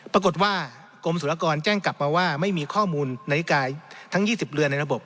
ปรากฏว่ากรมศุลกรแจ้งกลับมาว่าไม่มีข้อมูลนาฬิกาทั้ง๒๐เรือนในระบบ